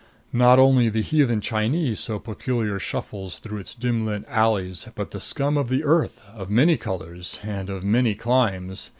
Not only the heathen Chinee so peculiar shuffles through its dim lit alleys, but the scum of the earth, of many colors and of many climes.